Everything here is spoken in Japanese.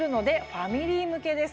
ファミリー向けです。